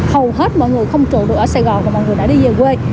hầu hết mọi người không trộn được ở sài gòn và mọi người đã đi về quê